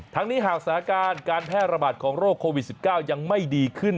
นี้หากสถานการณ์การแพร่ระบาดของโรคโควิด๑๙ยังไม่ดีขึ้น